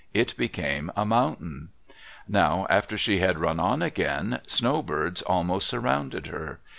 It became a mountain. Now after she had run on again, snowbirds almost surrounded her.